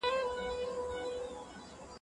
مسکه په اندازه وخورئ.